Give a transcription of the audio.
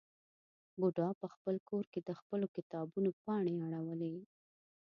بوډا په خپل کور کې د خپلو کتابونو پاڼې اړولې.